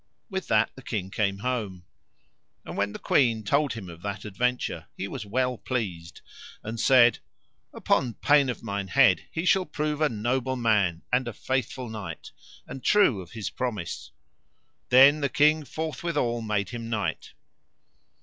With that the king came home. And when the queen told him of that adventure, he was well pleased, and said: Upon pain of mine head he shall prove a noble man and a faithful knight, and true of his promise: then the king forthwithal made him knight.